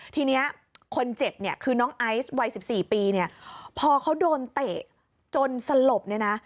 ทีนี้คนเจ็บเนี่ยคือน้องไอซ์วัย๑๔ปีเนี่ยพอเขาโดนเตะจนสลบเนี่ยนะ